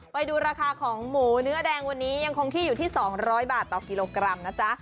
ไปดูราคาของหมูเนื้อแดงวันนี้ยังคงที่อยู่ที่๒๐๐บาทต่อกิโลกรัมนะจ๊ะ